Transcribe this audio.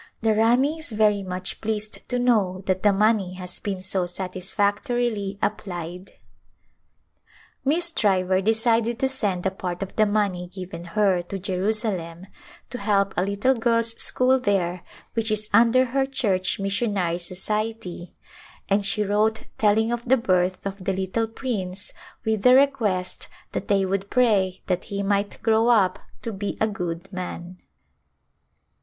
The Rani is very much pleased to know that the money has been so satisfactorily appliedo [ 280] Birth of an Heir Miss Driver decided to send a part of the money given her to Jerusalem to help a little girls' school there which is under her Church Missionary Society, and she wrote telling of the birth of the little prince with the request that they would pray that he might grow up to be a good man.